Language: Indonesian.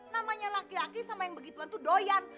namanya laki laki sama yang begitu tuh doyan